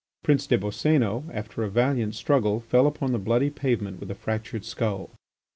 Prince des Boscénos, after a valiant struggle, fell upon the bloody pavement with a fractured skull.